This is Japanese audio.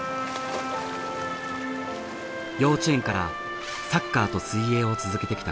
幼稚園からサッカーと水泳を続けてきた幸平くん。